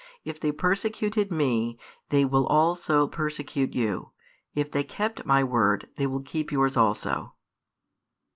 If they persecuted Me, they will also persecute you; if they kept My word, they will keep yours also.